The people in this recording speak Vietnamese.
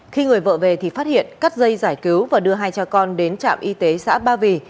khi người vợ về thì phát hiện cắt dây giải cứu và đưa hai cha con đến trạm y tế xã ba vì